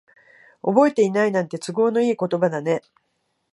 覚えてないなんて、都合のいい言葉だね。